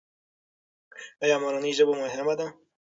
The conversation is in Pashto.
ایا مورنۍ ژبه مهمه ده؟